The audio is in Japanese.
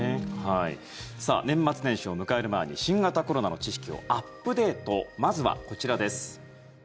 年末年始を迎える前に新型コロナの知識をアップデートまずはこちらです。